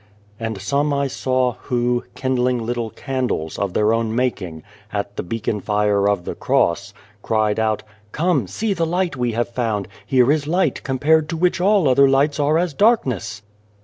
And some I saw who, kindling little candles, of their own making, at the beacon fire of the Cross, cried out, " Come, see the light we have found ! Here is light, compared to which all other lights are as darkness